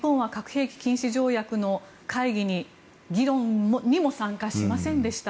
日本は核兵器禁止条約の会議の議論にも参加しませんでした。